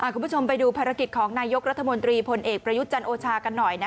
คุณผู้ชมไปดูภารกิจของนายกรัฐมนตรีพลเอกประยุทธ์จันทร์โอชากันหน่อย